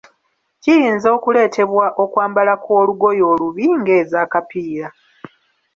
Kiyinza okuleetebwa okwambala kw'olugoye olubi nga ez'akapiira.